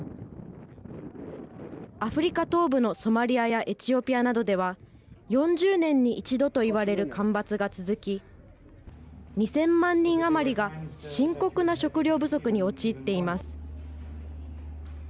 アフリカ東部のソマリアやエチオピアなどでは４０年に一度といわれる干ばつが続き２０００万人余りが深刻な食料不足に陥っています。